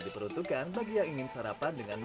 diperuntukkan bagi yang ingin sarapan dengan